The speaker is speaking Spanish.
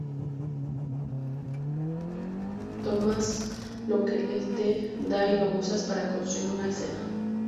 Tomas lo que el te da y lo usas para construir una escena".